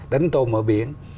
đánh tôm ở biển